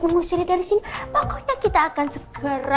mengusirnya dari sini pokoknya kita akan segera